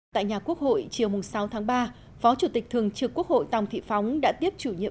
tại nhà quốc hội chiều sáu tháng ba phó chủ tịch thường trực quốc hội tòng thị phóng đã tiếp chủ nhiệm